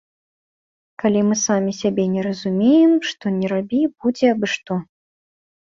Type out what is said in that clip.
Калі мы самі сябе не разумеем, што ні рабі, будзе абы што.